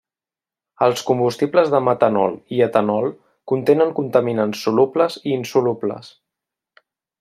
Els combustibles de metanol i etanol contenen contaminants solubles i insolubles.